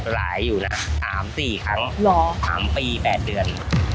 อยู่นะ๓๔ครั้ง๓ปี๘เดือน